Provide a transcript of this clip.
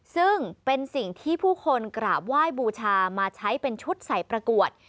ซึ่งเป็นสิ่งที่ผู้คนกราบไหว้บูชามาใช้เป็นชุดใส่ประกวด